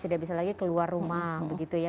tidak bisa lagi keluar rumah begitu ya